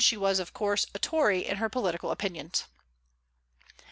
she was of course a Tory in her political opinions.